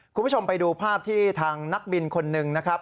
คุณผู้ชมไปดูภาพที่ทางนักบินคนหนึ่งนะครับ